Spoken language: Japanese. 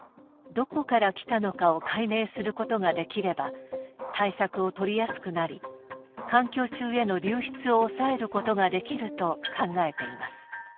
どこから来たのかを解明することができれば対策をとりやすくなり環境中への流出を抑えることができると考えています。